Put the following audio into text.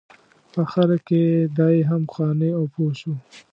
په اخره کې دی هم قانع او پوه شو.